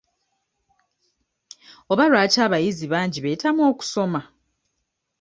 Oba lwaki abayizi bangi beetamwa okusoma?